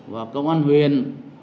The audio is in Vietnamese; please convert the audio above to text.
và công an huyền